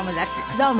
どうも。